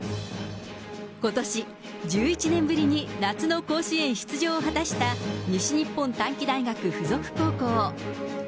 ことし、１１年ぶりに夏の甲子園出場を果たした西日本短期大学附属高校。